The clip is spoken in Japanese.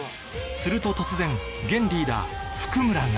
すると突然現リーダー譜久村が